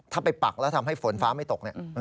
ถ้าไปปักแล้วทำให้ฝนฟ้าไม่ตกเนี่ย